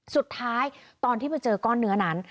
สุดท้ายตอนที่ไปเจอก้อนเนื้อนั้น